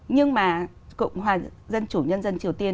nhưng mà cộng hòa dân chủ nhân dân triều tiên